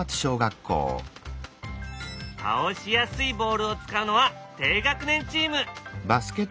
倒しやすいボールを使うのは低学年チーム！